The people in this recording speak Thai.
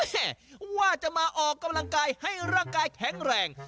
ว่าจะมาออกกำลังกายให้ร่างกายแข็งแรง